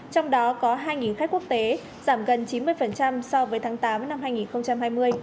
trong đó có hai khách quốc tế giảm gần chín mươi so với tháng tám năm hai nghìn hai mươi